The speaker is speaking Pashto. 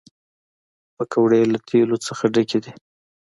پکورې له تیلو نه ډکې دي